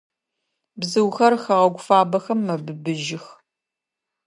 Бзыухэр хэгъэгу фабэхэм мэбыбыжьых.